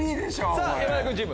さぁ山田君チーム。